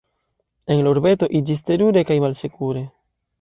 En la urbeto iĝis terure kaj malsekure.